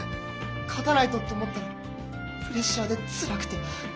「勝たないと」と思ったらプレッシャーでつらくて。